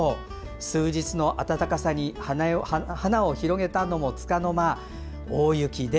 数日の暖かさに花を広げたのもつかの間大雪で。